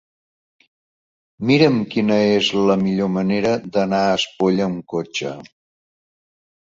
Mira'm quina és la millor manera d'anar a Espolla amb cotxe.